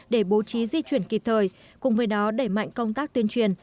để bố trí di chuyển kịp thời cùng với đó đẩy mạnh công tác tuyên truyền